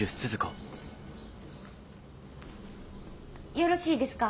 よろしいですか？